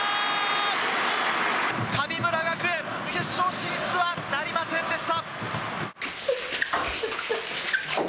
神村学園、決勝進出はなりませんでした。